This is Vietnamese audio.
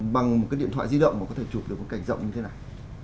bằng một cái điện thoại di động mà có thể chụp được một cảnh rộng như thế này